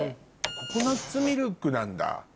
ココナッツミルクなんだ？